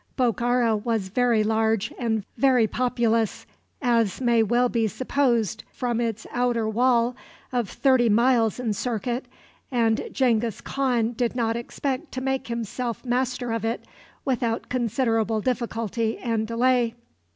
Bokhara was very large and very populous, as may well be supposed from its outer wall of thirty miles in circuit, and Genghis Khan did not expect to make himself master of it without considerable difficulty and delay.